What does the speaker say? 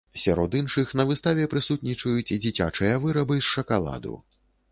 Сярод іншых на выставе прысутнічаюць дзіцячыя вырабы з шакаладу.